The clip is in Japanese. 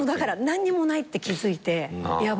何にもないって気付いてヤバいって。